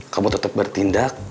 kamu tetap bertindak